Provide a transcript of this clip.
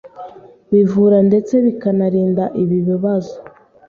bivura ndetse bikanarinda ibi bibazo